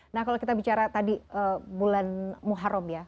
nah kalau kita bicara tadi bulan muharram ya